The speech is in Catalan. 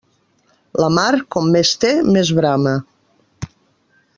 La mar com més té més brama.